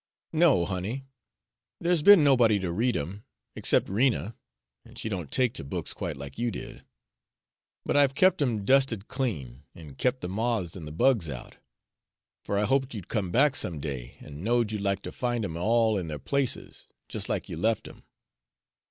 "No, honey, there's be'n nobody to read 'em, excep' Rena, an' she don't take to books quite like you did. But I've kep' 'em dusted clean, an' kep' the moths an' the bugs out; for I hoped you'd come back some day, an' knowed you'd like to find 'em all in their places, jus' like you left 'em."